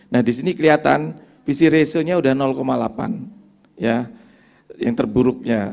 nah di sini kelihatan pc ratio nya sudah delapan ya yang terburuknya